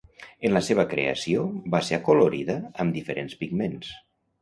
En la seva creació, va ser acolorida amb diferents pigments?